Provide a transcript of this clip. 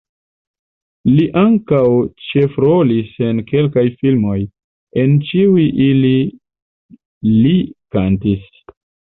Li ankaŭ ĉefrolis en kelkaj filmoj, en ĉiuj ili li kantis.